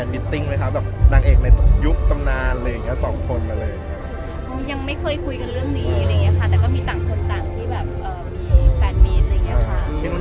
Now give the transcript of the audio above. กับพี่ยาภรรยาบรามพุทธศาสนธรรมัยโอ้ยังไม่ได้คุยกันเลยค่ะ